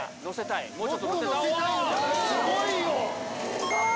すごい。